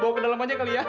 bawa ke dalam aja kali ya